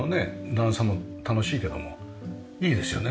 段差も楽しいけどもいいですよね